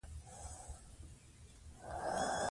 ډېر پروسس شوي خواړه د شکرې ستونزې زیاتوي.